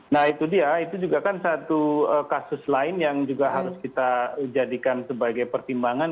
nah itu dia itu juga kan satu kasus lain yang juga harus kita jadikan sebagai pertimbangan